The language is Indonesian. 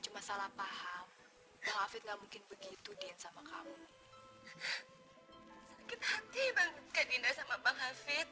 cuma salah paham bahwa mungkin begitu dien sama kamu sakit hati banget sama pak hafidh